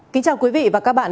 kính chào quý vị và các bạn